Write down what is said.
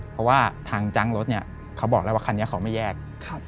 เพราะว่าทางจ้างรถเนี่ยเขาบอกแล้วว่าคันนี้เขาไม่แยก